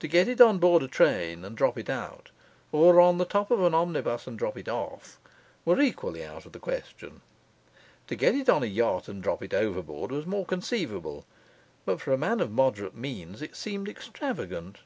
To get it on board a train and drop it out, or on the top of an omnibus and drop it off, were equally out of the question. To get it on a yacht and drop it overboard, was more conceivable; but for a man of moderate means it seemed extravagant.